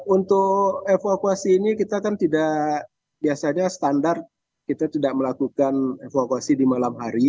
untuk evakuasi ini kita kan tidak biasanya standar kita tidak melakukan evakuasi di malam hari